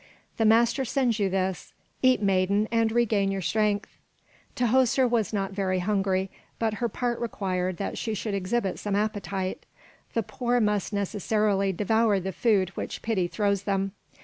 "The master sends you this. Eat, maiden, and regain your strength." Tahoser was not very hungry, but her part required that she should exhibit some appetite; the poor must necessarily devour the food which pity throws them.